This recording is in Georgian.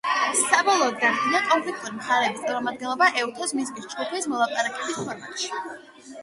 საბოლოოდ დადგინდა კონფლიქტური მხარეების წარმომადგენლობა ეუთოს მინსკის ჯგუფის მოლაპარაკების ფორმატში.